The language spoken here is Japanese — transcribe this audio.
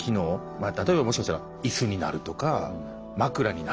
例えばもしかしたら椅子になるとか枕になるとか。